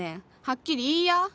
はっきり言いや！